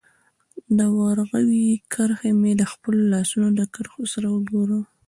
د ورغوي کرښي مي د خپلو لاسونو د کرښو سره وګوره